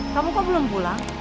kamu kok belum pulang